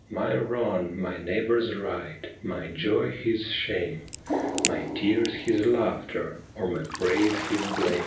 My wrong my neighbour's right, my joy his shame, My tears his laughter, or my praise his blame.